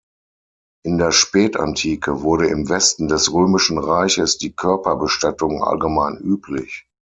In der Spätantike wurde im Westen des römischen Reiches die Körperbestattung allgemein üblich.